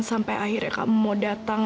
sampai akhirnya kamu mau datang